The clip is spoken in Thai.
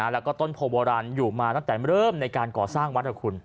แล้วก็ต้นโพโบราณอยู่มาตั้งแต่เริ่มในการก่อสร้างวัดนะคุณ